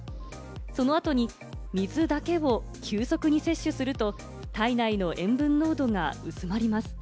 その後に水だけを急速に摂取すると、体内の塩分濃度が薄まります。